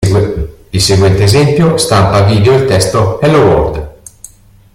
Il seguente esempio stampa a video il testo "Hello world".